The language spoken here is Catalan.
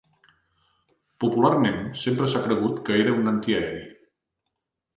Popularment sempre s'ha cregut que era un antiaeri.